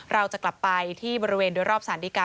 เราจะกลับไปที่บริเวณโดยรอบสารดีกา